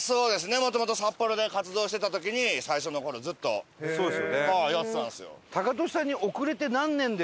もともと札幌で活動してた時に最初の頃ずっとやってたんですよ。